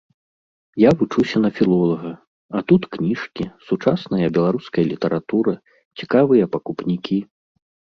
Я вучуся на філолага, а тут кніжкі, сучасная беларуская літаратура, цікавыя пакупнікі.